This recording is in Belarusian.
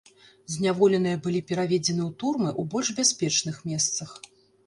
Зняволеныя былі пераведзены ў турмы ў больш бяспечных месцах.